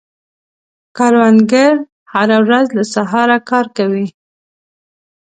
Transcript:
کروندګر هره ورځ له سهاره کار کوي